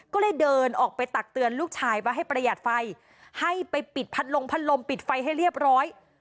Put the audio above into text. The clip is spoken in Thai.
ก็เลยเดินออกไปตักเตือนลูกชายว่าให้ประหยัดไฟให้ไปปิดพัดลงพัดลมปิดไฟให้เรียบร้อย